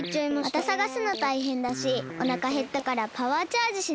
またさがすのたいへんだしおなかへったからパワーチャージしない？